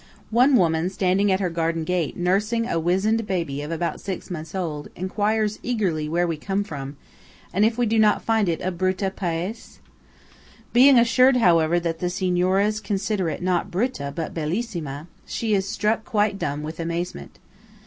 One woman standing at her garden gate nursing a wizened baby of about six months old, enquires eagerly where we come from, and if we do not find it a "brutta paese?" Being assured, however, that the Signoras consider it not "brutta" but "bellissima," she is struck quite dumb with amazement.